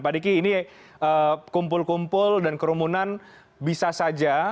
pak diki ini kumpul kumpul dan kerumunan bisa saja